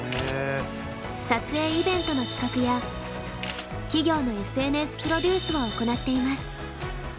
撮影イベントの企画や企業のＳＮＳプロデュースを行っています。